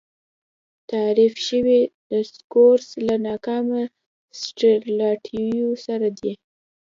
تحریف شوی دسکورس له ناکامه سټراټیژیو سره دی.